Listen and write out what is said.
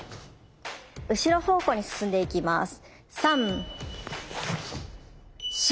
後ろ方向に進んでいきます。